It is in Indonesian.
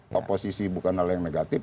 oposisi bukan hal yang negatif